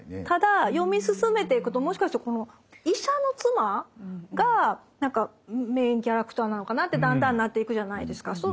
ただ読み進めていくともしかしてこの医者の妻が何かメインキャラクターなのかなってだんだんなっていくじゃないですか。